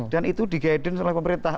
dan itu di guidance oleh pemerintah